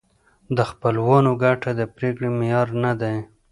د خپلوانو ګټه د پرېکړې معیار نه دی.